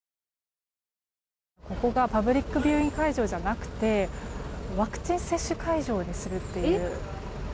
ここがパブリックビューイング会場じゃなくてワクチン接種会場にするという。